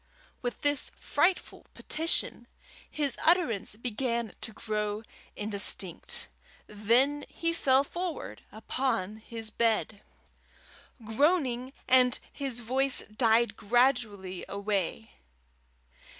With this frightful petition, his utterance began to grow indistinct. Then he fell forward upon the bed, groaning, and his voice died gradually away.